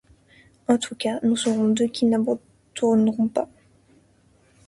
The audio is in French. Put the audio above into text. En tout cas, nous serons deux qui ne l’abandonnerons pas.